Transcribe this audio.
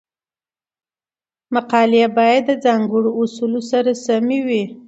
مقالې باید د ځانګړو اصولو سره سمې وي.